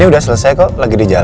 alas buleri sela di rumah